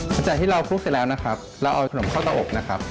หลังจากที่เราคลุกเสร็จแล้วนะครับเราเอาขนมเข้าตาอบนะครับ